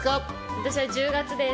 私は１０月です。